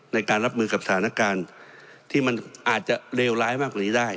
ในการรับมือกับสถานการณ์ที่มันอาจจะเลวร้ายมากกว่านี้ได้